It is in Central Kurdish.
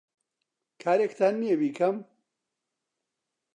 کارێکتان نییە بیکەم؟